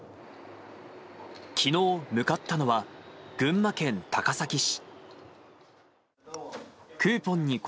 きのう、向かったのは、群馬県高崎市。